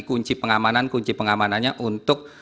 kunci pengamanan kunci pengamanannya untuk